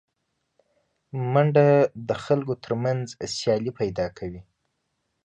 منډه د خلکو تر منځ سیالي پیدا کوي